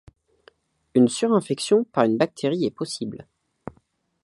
Une surinfection par une bactérie est possible.